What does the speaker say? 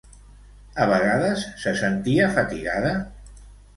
A vegades se sentia fatigada?